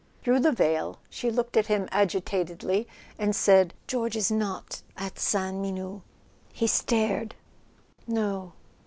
Through the veil she looked at him agitatedly, and said: "George is not at Sainte Menehould." He stared. "No.